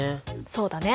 そうだね。